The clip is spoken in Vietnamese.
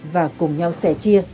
và cùng nhau xẻ chia